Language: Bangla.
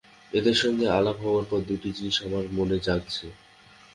এঁদের সঙ্গে আলাপ হবার পর দুটি জিনিষ আমার মনে জাগছে।